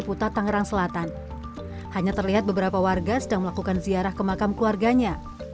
pusat tangerang selatan hanya terlihat beberapa warga sedang melakukan ziarah ke makam keluarganya